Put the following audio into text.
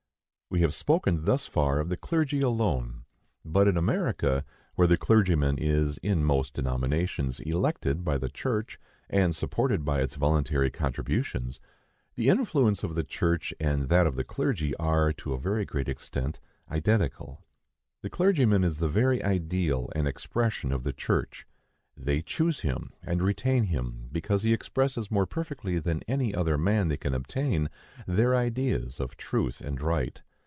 We have spoken, thus far, of the clergy alone; but in America, where the clergyman is, in most denominations, elected by the church, and supported by its voluntary contributions, the influence of the church and that of the clergy are, to a very great extent, identical. The clergyman is the very ideal and expression of the church. They choose him, and retain him, because he expresses more perfectly than any other man they can obtain, their ideas of truth and right.